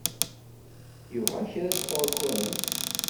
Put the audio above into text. Yebɣa kra sɣur-kent?